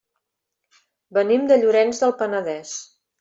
Venim de Llorenç del Penedès.